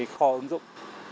kho ứng dụng